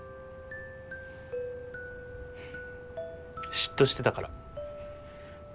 嫉妬してたから。